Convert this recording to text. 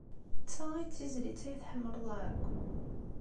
D ta ay d tizlit ay tḥemmleḍ akk?